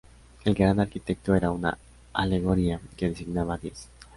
El Gran Arquitecto era una alegoría que designaba a Dios.